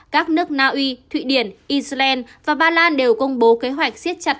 các nước naui thụy điển israel và ba lan đều công bố kế hoạch siết chặt